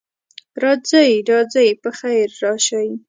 راځئ، راځئ، پخیر راشئ.